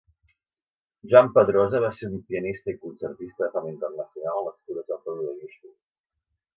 Joan Padrosa va ser un pianista i concertista de fama internacional nascut a Sant Feliu de Guíxols.